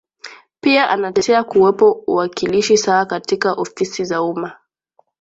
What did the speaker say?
Pia anatetea kuwepo uwakilishi sawa katika ofisi za umma